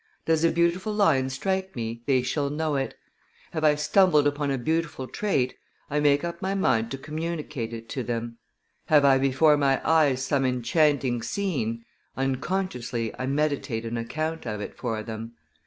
Does a beautiful line strike me, they shall know it. Have I stumbled upon a beautiful trait, I make up my mind to communicate it to them. Have I before my eyes some enchanting scene; unconsciously, I meditate an account of it for them.